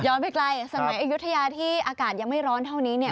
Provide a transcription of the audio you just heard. ไปไกลสมัยอายุทยาที่อากาศยังไม่ร้อนเท่านี้เนี่ย